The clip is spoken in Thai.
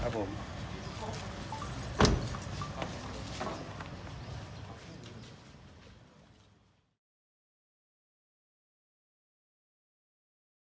โปรดติดตามตอนต่อไป